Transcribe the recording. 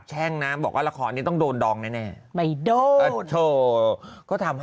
ช่วงหน้าละครน้องแมทไม่โดนดอกแล้วนะจ๊ะ